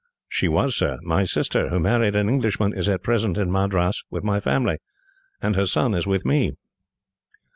"She was, sir. My sister, who married an Englishman, is at present in Madras with my family, and her son is with me.